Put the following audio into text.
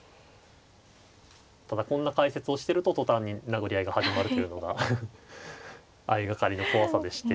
ただこんな解説をしてると途端に殴り合いが始まるというのが相掛かりの怖さでして。